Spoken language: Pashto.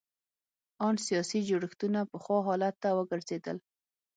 ان سیاسي جوړښتونه پخوا حالت ته وګرځېدل.